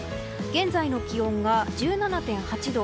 現在の気温が１７．８度。